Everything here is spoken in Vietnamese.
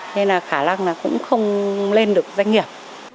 nên là khả năng là cũng không lên được doanh nghiệp